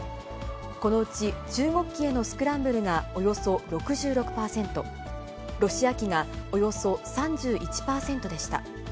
このうち、中国機へのスクランブルがおよそ６６％、ロシア機がおよそ３１％でした。